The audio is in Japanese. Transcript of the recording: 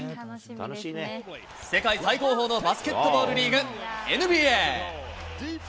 世界最高峰のバスケットボールリーグ、ＮＢＡ。